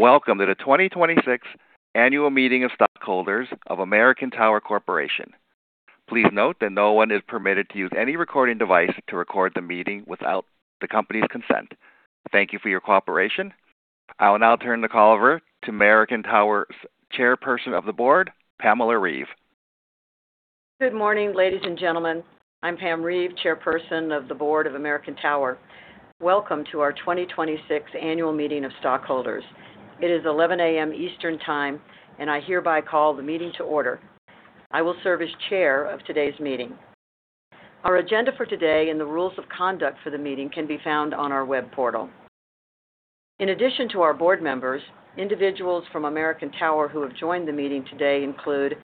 Welcome to the 2026 annual meeting of stockholders of American Tower Corporation. Please note that no one is permitted to use any recording device to record the meeting without the company's consent. Thank you for your cooperation. I will now turn the call over to American Tower's chairperson of the board, Pamela Reeve. Good morning, ladies and gentlemen. I'm Pam Reeve, Chairperson of the Board of American Tower. Welcome to our 2026 annual meeting of stockholders. It is 11:00 A.M. Eastern Time, and I hereby call the meeting to order. I will serve as Chair of today's meeting. Our agenda for today and the rules of conduct for the meeting can be found on our web portal. In addition to our board members, individuals from American Tower who have joined the meeting today include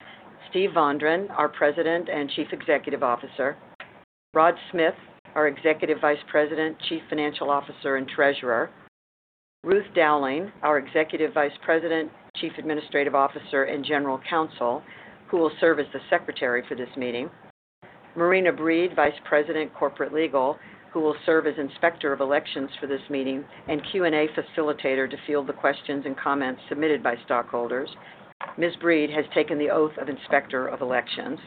Steve Vondran, our President and Chief Executive Officer. Rod Smith, our Executive Vice President, Chief Financial Officer, and Treasurer. Ruth Dowling, our Executive Vice President, Chief Administrative Officer, and General Counsel, who will serve as the Secretary for this meeting. Marina Breed, Vice President, Corporate Legal, who will serve as Inspector of Elections for this meeting and Q&A facilitator to field the questions and comments submitted by stockholders. Ms. Breed has taken the oath of inspector of elections.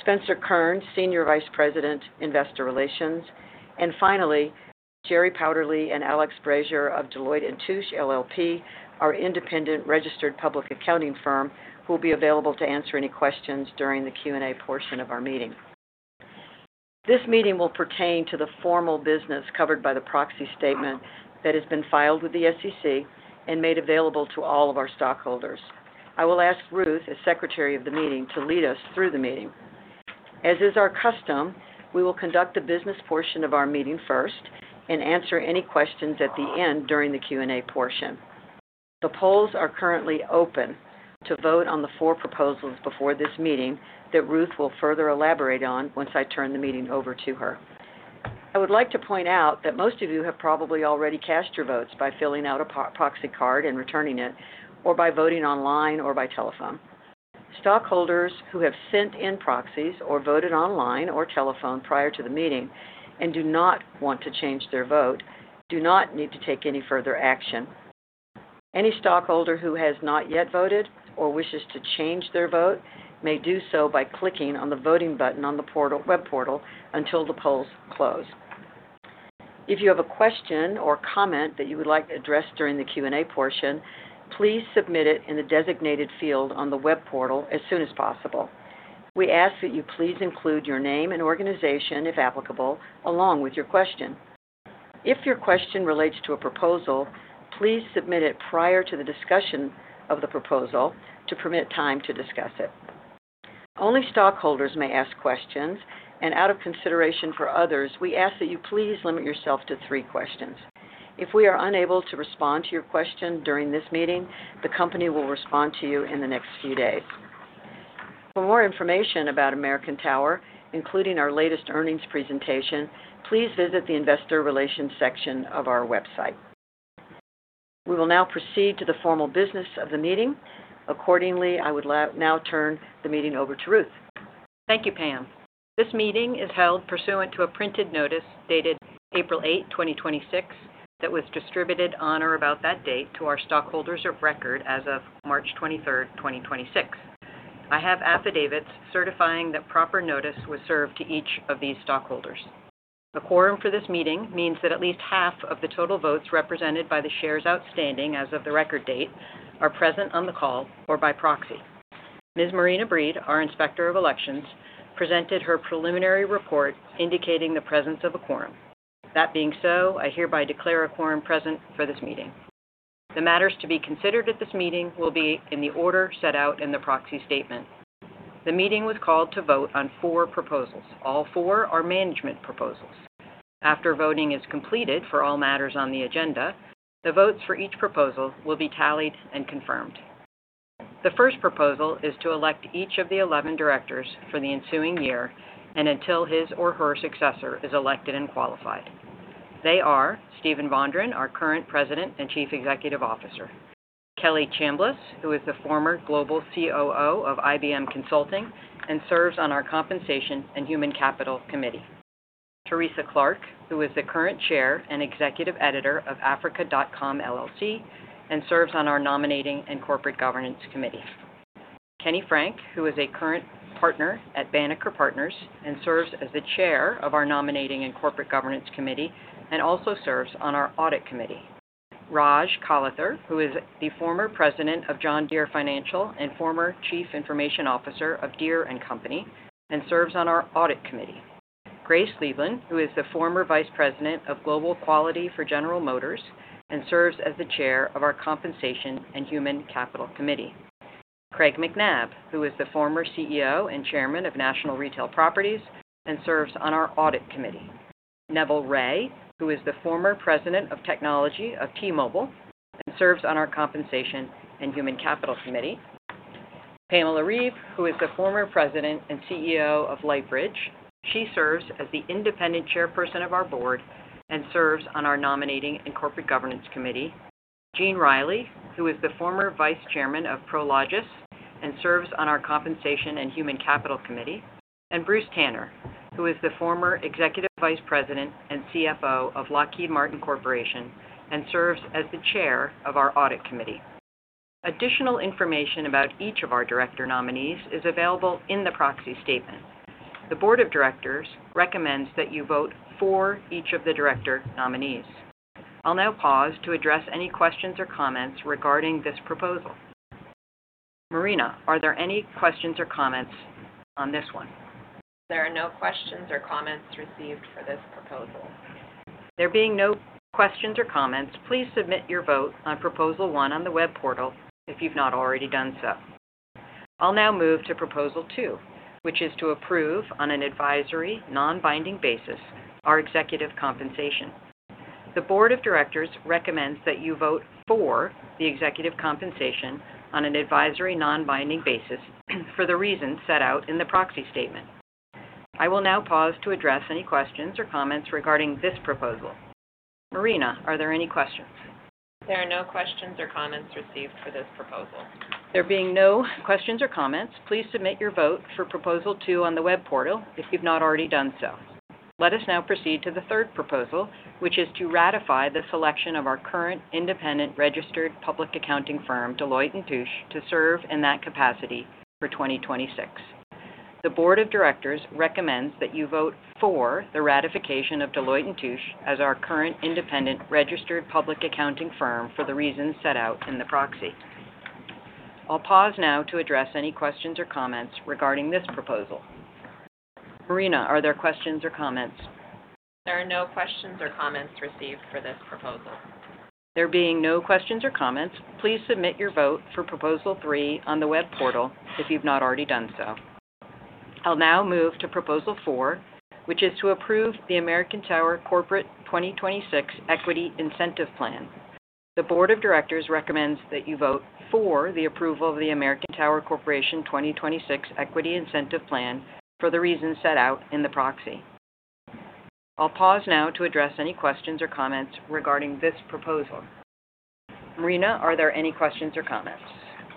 Spencer Kurn, Senior Vice President, Investor Relations. Finally, Gerry Powderly and Alex Brazier of Deloitte & Touche LLP, our independent registered public accounting firm, who will be available to answer any questions during the Q&A portion of our meeting. This meeting will pertain to the formal business covered by the proxy statement that has been filed with the SEC and made available to all of our stockholders. I will ask Ruth, as Secretary of the Meeting, to lead us through the meeting. As is our custom, we will conduct the business portion of our meeting first and answer any questions at the end during the Q&A portion. The polls are currently open to vote on the four proposals before this meeting that Ruth will further elaborate on once I turn the meeting over to her. I would like to point out that most of you have probably already cast your votes by filling out a proxy card and returning it, or by voting online or by telephone. Stockholders who have sent in proxies or voted online or telephone prior to the meeting and do not want to change their vote do not need to take any further action. Any stockholder who has not yet voted or wishes to change their vote may do so by clicking on the voting button on the web portal until the polls close. If you have a question or comment that you would like addressed during the Q&A portion, please submit it in the designated field on the web portal as soon as possible. We ask that you please include your name and organization, if applicable, along with your question. If your question relates to a proposal, please submit it prior to the discussion of the proposal to permit time to discuss it. Only stockholders may ask questions, and out of consideration for others, we ask that you please limit yourself to three questions. If we are unable to respond to your question during this meeting, the company will respond to you in the next few days. For more information about American Tower, including our latest earnings presentation, please visit the investor relations section of our website. We will now proceed to the formal business of the meeting. Accordingly, I would now turn the meeting over to Ruth. Thank you, Pam. This meeting is held pursuant to a printed notice dated April 8, 2026, that was distributed on or about that date to our stockholders of record as of March 23, 2026. I have affidavits certifying that proper notice was served to each of these stockholders. A quorum for this meeting means that at least half of the total votes represented by the shares outstanding as of the record date are present on the call or by proxy. Ms. Marina Breed, our Inspector of Elections, presented her preliminary report indicating the presence of a quorum. That being so, I hereby declare a quorum present for this meeting. The matters to be considered at this meeting will be in the order set out in the proxy statement. The meeting was called to vote on four proposals. All four are management proposals. After voting is completed for all matters on the agenda, the votes for each proposal will be tallied and confirmed. The first proposal is to elect each of the 11 directors for the ensuing year and until his or her successor is elected and qualified. They are Steven Vondran, our current President and Chief Executive Officer. Kelly Chambliss, who is the former Global Chief Operating Officer of IBM Consulting and serves on our Compensation and Human Capital Committee. Teresa H. Clarke, who is the current Chair and Executive Editor of Africa.com LLC and serves on our Nominating and Corporate Governance Committee. Kenneth R. Frank, who is a current Partner at Banneker Partners and serves as the Chair of our Nominating and Corporate Governance Committee and also serves on our Audit Committee. Rajesh Kalathur, who is the former President of John Deere Financial and former Chief Information Officer of Deere & Company and serves on our Audit Committee. Grace D. Lieblein, who is the former Vice President of Global Quality for General Motors and serves as the Chair of our Compensation and Human Capital Committee. Craig Macnab, who is the former CEO and Chairman of National Retail Properties, Inc. and serves on our Audit Committee. Neville R. Ray, who is the former President of Technology of T-Mobile and serves on our Compensation and Human Capital Committee. Pamela Reeve, who is the former President and CEO of Lightbridge, Inc. She serves as the Independent Chairperson of our board and serves on our Nominating and Corporate Governance Committee. Eugene F. Reilly, who is the former Vice Chairman of Prologis and serves on our Compensation and Human Capital Committee. Bruce L. Tanner, who is the former Executive Vice President and CFO of Lockheed Martin Corporation and serves as the chair of our Audit Committee. Additional information about each of our director nominees is available in the proxy statement. The board of directors recommends that you vote for each of the director nominees. I'll now pause to address any questions or comments regarding this proposal. Marina, are there any questions or comments on this one? There are no questions or comments received for this proposal. There being no questions or comments, please submit your vote on proposal one on the web portal if you've not already done so. I'll now move to proposal one, which is to approve, on an advisory non-binding basis, our executive compensation. The board of directors recommends that you vote for the executive compensation on an advisory non-binding basis for the reasons set out in the proxy statement. I will now pause to address any questions or comments regarding this proposal. Marina, are there any questions? There are no questions or comments received for this proposal. There being no questions or comments, please submit your vote for proposal two on the web portal if you've not already done so. Let us now proceed to the third proposal, which is to ratify the selection of our current independent registered public accounting firm, Deloitte & Touche, to serve in that capacity for 2026. The board of directors recommends that you vote for the ratification of Deloitte & Touche as our current independent registered public accounting firm for the reasons set out in the proxy. I'll pause now to address any questions or comments regarding this proposal. Marina, are there questions or comments? There are no questions or comments received for this proposal. There being no questions or comments, please submit your vote for proposal three on the web portal if you've not already done so. I'll now move to proposal four, which is to approve the American Tower Corporation 2026 Equity Incentive Plan. The board of directors recommends that you vote for the approval of the American Tower Corporation 2026 Equity Incentive Plan for the reasons set out in the proxy. I'll pause now to address any questions or comments regarding this proposal. Marina, are there any questions or comments?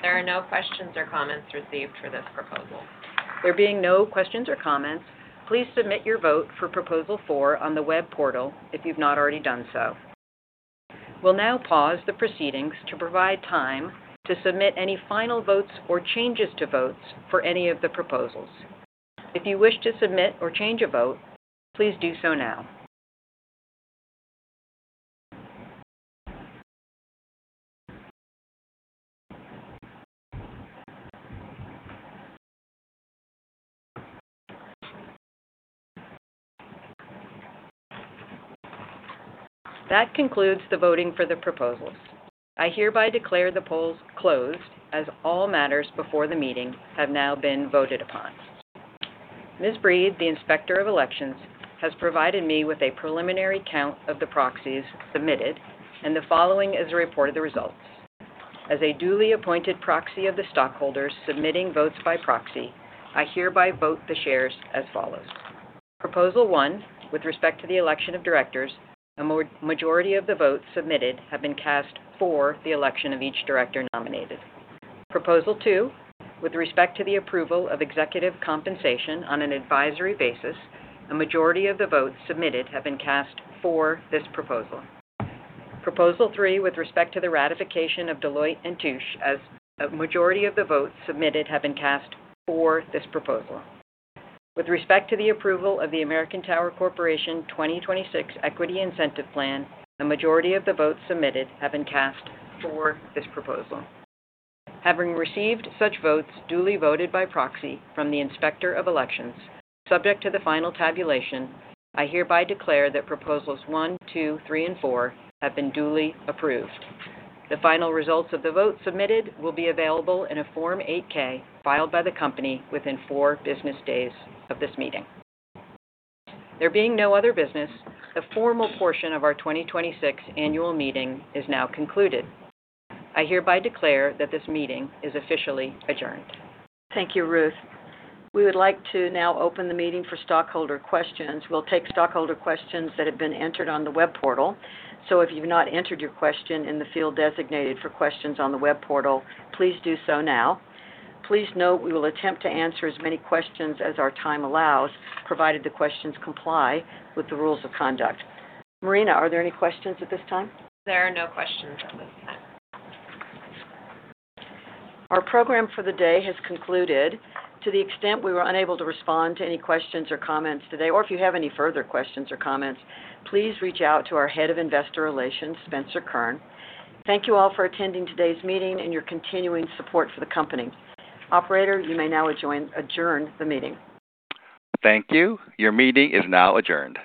There are no questions or comments received for this proposal. There being no questions or comments, please submit your vote for proposal four on the web portal if you've not already done so. We'll now pause the proceedings to provide time to submit any final votes or changes to votes for any of the proposals. If you wish to submit or change a vote, please do so now. That concludes the voting for the proposals. I hereby declare the polls closed, as all matters before the meeting have now been voted upon. Ms. Breed, the Inspector of Elections, has provided me with a preliminary count of the proxies submitted, and the following is a report of the results. As a duly appointed proxy of the stockholders submitting votes by proxy, I hereby vote the shares as follows. Proposal one, with respect to the election of directors, a majority of the votes submitted have been cast for the election of each director nominated. Proposal two, with respect to the approval of executive compensation on an advisory basis, a majority of the votes submitted have been cast for this proposal. Proposal three, with respect to the ratification of Deloitte & Touche, a majority of the votes submitted have been cast for this proposal. With respect to the approval of the American Tower Corporation 2026 Equity Incentive Plan, a majority of the votes submitted have been cast for this proposal. Having received such votes duly voted by proxy from the Inspector of Elections, subject to the final tabulation, I hereby declare that proposals one, two, three and four have been duly approved. The final results of the votes submitted will be available in a Form 8-K filed by the company within four business days of this meeting. There being no other business, the formal portion of our 2026 annual meeting is now concluded. I hereby declare that this meeting is officially adjourned. Thank you, Ruth. We would like to now open the meeting for stockholder questions. We'll take stockholder questions that have been entered on the web portal. If you've not entered your question in the field designated for questions on the web portal, please do so now. Please note we will attempt to answer as many questions as our time allows, provided the questions comply with the rules of conduct. Marina, are there any questions at this time? There are no questions at this time. Our program for the day has concluded. To the extent we were unable to respond to any questions or comments today, or if you have any further questions or comments, please reach out to our Head of Investor Relations, Spencer Kurn. Thank you all for attending today's meeting and your continuing support for the company. Operator, you may now adjourn the meeting. Thank you. Your meeting is now adjourned.